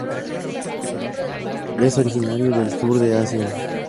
Es originario del Sur de Asia.